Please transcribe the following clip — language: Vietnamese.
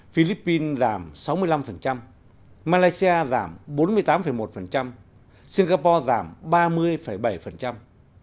philippines giảm sáu mươi năm malaysia giảm bốn mươi tám một singapore giảm ba mươi bảy